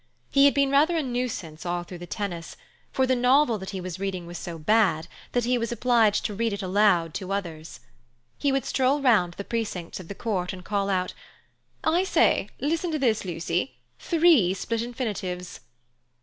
He had been rather a nuisance all through the tennis, for the novel that he was reading was so bad that he was obliged to read it aloud to others. He would stroll round the precincts of the court and call out: "I say, listen to this, Lucy. Three split infinitives."